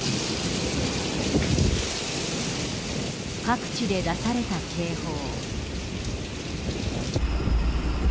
各地で出された警報。